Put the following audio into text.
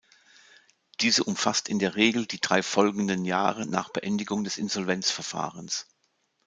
Diese umfasst in der Regel die drei folgenden Jahre nach Beendigung des Insolvenzverfahrens.